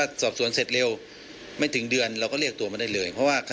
หากผู้ต้องหารายใดเป็นผู้กระทำจะแจ้งข้อหาเพื่อสรุปสำนวนต่อพนักงานอายการจังหวัดกรสินต่อไป